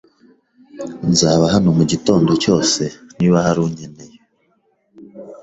Nzaba hano mugitondo cyose niba hari uwankeneye